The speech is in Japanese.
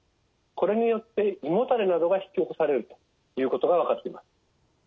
これによって胃もたれなどが引き起こされるということが分かっています。